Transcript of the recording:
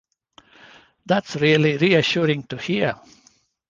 That's really reassuring to hear!